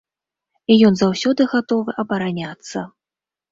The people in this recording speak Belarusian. І ён заўсёды гатовы абараняцца.